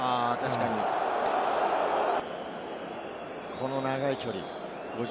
この長い距離、５０